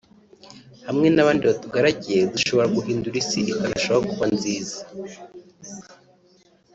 hamwe n’abandi batugaragiye dushobora guhindura Isi ikarushaho kuba nziza